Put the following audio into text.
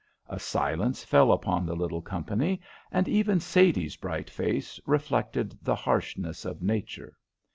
A silence fell upon the little company, and even Sadie's bright face reflected the harshness of Nature.